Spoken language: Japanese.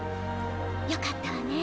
よかったわね